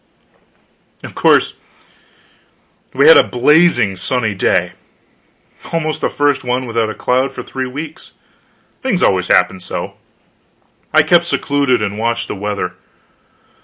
Of course, we had a blazing sunny day almost the first one without a cloud for three weeks; things always happen so. I kept secluded, and watched the weather.